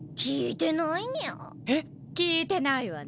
聞いてないわね。